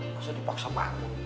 masa dipaksa bangun